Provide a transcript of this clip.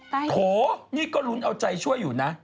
โถนี่ก็ลุ้นเอาใจช่วยอยู่นะ